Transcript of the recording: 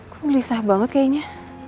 kok melisah banget kayaknya